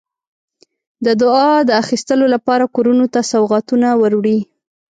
د دعا د اخیستلو لپاره کورونو ته سوغاتونه وروړي.